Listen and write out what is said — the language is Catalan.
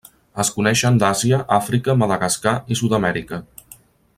Es coneixen d'Àsia, Àfrica, Madagascar i Sud-amèrica.